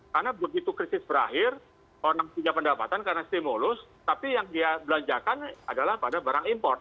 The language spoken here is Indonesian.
karena begitu krisis berakhir orang punya pendapatan karena stimulus tapi yang dia belanjakan adalah pada barang import